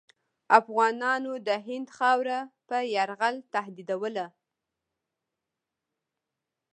افغانانو د هند خاوره په یرغل تهدیدوله.